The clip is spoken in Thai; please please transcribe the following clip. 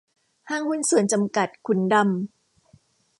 ห้างหุ้นส่วนจำกัด ขุนดำ